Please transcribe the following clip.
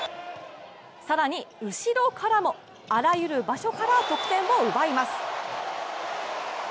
更に後ろからも、あらゆる場所から得点を奪います。